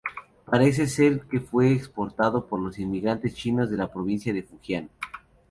Parece ser que fue exportado por los inmigrantes chinos de la Provincia de Fujian.